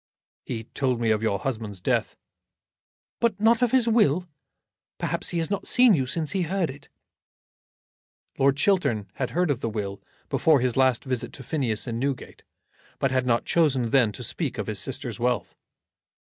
"He told me of your husband's death." "But not of his will? Perhaps he has not seen you since he heard it." Lord Chiltern had heard of the will before his last visit to Phineas in Newgate, but had not chosen then to speak of his sister's wealth.